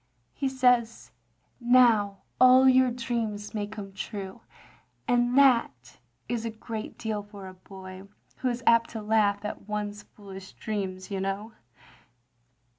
He says, 'Now all your dreams may come true, ' and that is a great deal for a boy, who is apt to laugh at one's foolish dreams, you know."